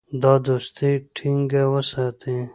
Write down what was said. دا دوستي ټینګه وساتي.